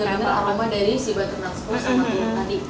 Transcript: jadi bener bener aroma dari si butternut spruce sama yang tadi